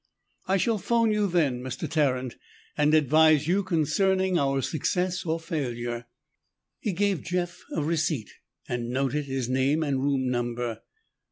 "I shall phone you then, Mr. Tarrant, and advise you concerning our success or failure." He gave Jeff a receipt and noted his name and room number.